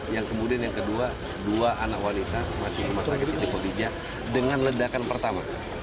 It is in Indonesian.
yang kemudian yang kedua dua anak wanita masih rumah sakit siti kotija dengan ledakan pertama